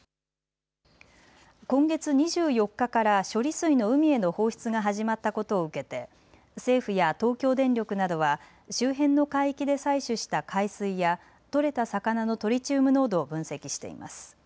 今月２４日から処理水の海への放出が始まったことを受けて政府や東京電力などは周辺の海域で採取した海水や取れた魚のトリチウム濃度を分析しています。